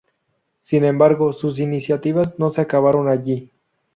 Sin embargo, sus iniciativas no se acabaron allí.